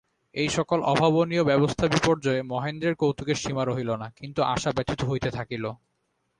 এই-সকল অভাবনীয় ব্যবস্থাবিপর্যয়ে মহেন্দ্রের কৌতুকের সীমা রহিল না, কিন্তু আশা ব্যথিত হইতে থাকিল।